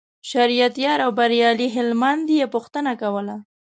شریعت یار او بریالي هلمند یې پوښتنه کوله.